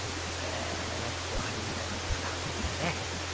あれを何かこう針みたいなんで蓋を取ってね